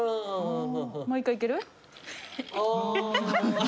もう一回いける？